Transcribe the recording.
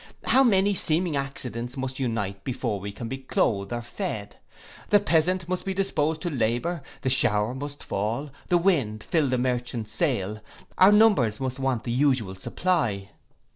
How many seeming accidents must unite before we can be cloathed or fed. The peasant must be disposed to labour, the shower must fall, the wind fill the merchant's sail, or numbers must want the usual supply.